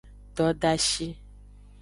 Dodashi.